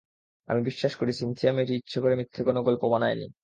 আমি বিশ্বাস করি সিন্থিয়া মেয়েটি ইচ্ছে করে মিথ্যা কোনো গল্প বানায়নি।